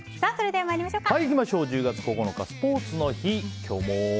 １０月９日、スポーツの日。